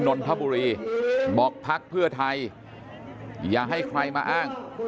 นนทบุรีบอกพักเพื่อไทยอย่าให้ใครมาอ้าง